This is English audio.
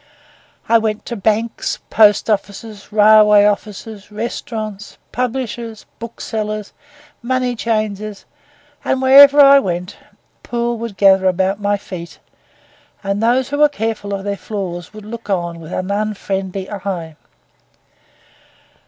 I went to banks, post offices, railway offices, restaurants, publishers, booksellers, money changers, and wherever I went a pool would gather about my feet, and those who were careful of their floors would look on with an unfriendly eye.